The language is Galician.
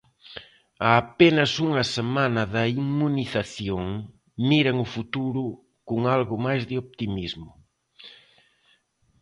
A apenas unha semana da inmunización, miran o futuro con algo máis de optimismo.